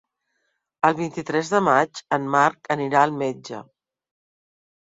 El vint-i-tres de maig en Marc anirà al metge.